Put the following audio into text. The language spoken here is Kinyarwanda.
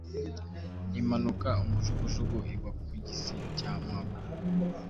imanuka umujugujugu igwa ku gisi cya Muhabura,